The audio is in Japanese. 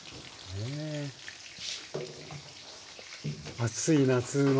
暑い夏のね